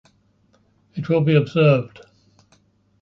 It will be observed.